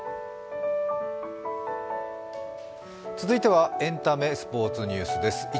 続いてはエンタメスポーツニュースです。